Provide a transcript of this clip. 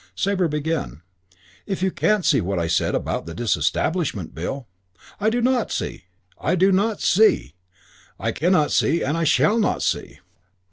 Sabre began, "If you can't see what I said about the Disestablishment Bill " "I did not see; I do not see; I cannot see and I shall not see.